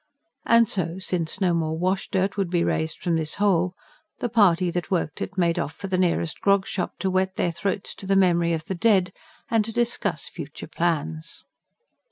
And so, since no more washdirt would be raised from this hole, the party that worked it made off for the nearest grog shop, to wet their throats to the memory of the dead, and to discuss future plans.